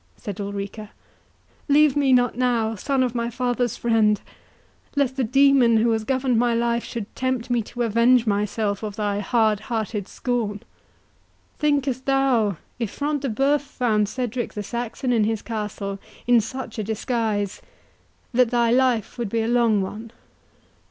said Ulrica; "leave me not now, son of my father's friend, lest the demon who has governed my life should tempt me to avenge myself of thy hard hearted scorn—Thinkest thou, if Front de Bœuf found Cedric the Saxon in his castle, in such a disguise, that thy life would be a long one?